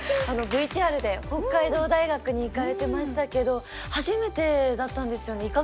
あのＶＴＲで北海道大学に行かれてましたけど初めてだったんですよね？